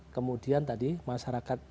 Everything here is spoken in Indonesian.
kemudian tadi masyarakat